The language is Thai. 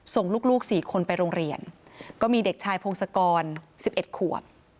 ส่งลูก๔คนไปโรงเรียนก็มีเด็กชายพงศกร๑๑ขวบ